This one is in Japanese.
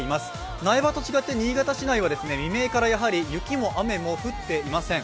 苗場と違って新潟市内は未明から雪も雨も降っていません。